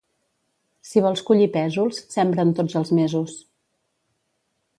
Si vols collir pèsols, sembra'n tots els mesos.